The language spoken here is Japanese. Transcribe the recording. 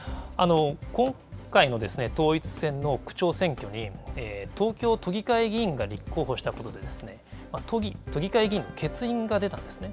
今回の統一選の区長選挙に東京都議会議員が立候補したことで、都議会議員の欠員が出たんですね。